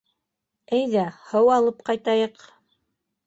— Әйҙә, һыу алып ҡайтайыҡ.